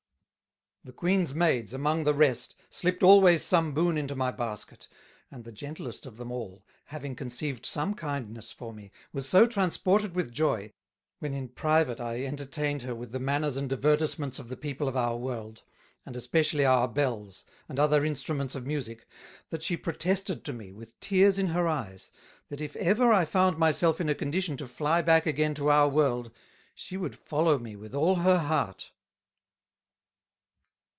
The Queen's Maids, among the rest, slipt always some Boon into my Basket, and the gentilest of them all, having conceived some kindness for me, was so transported with Joy, when in private I entertained her with the manners and divertisements of the People of our World, and especially our Bells, and other Instruments of Musick, that she protested to me, with Tears in her Eyes, That if ever I found my self in a condition to fly back again to our World, she would follow me with all her Heart.